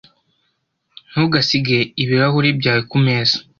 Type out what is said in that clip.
Ntugasige ibirahuri byawe kumeza.